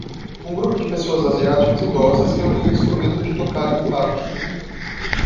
Um grupo de pessoas asiáticas idosas reuniu instrumentos de tocar em um parque.